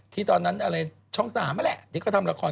ที่ตอนนั้นช่องสามอะแหละที่ก็ทำละคร